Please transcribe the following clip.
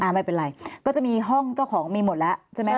ไม่เป็นไรก็จะมีห้องเจ้าของมีหมดแล้วใช่ไหม